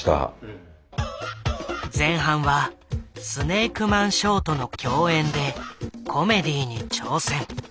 前半はスネークマンショーとの共演でコメディーに挑戦。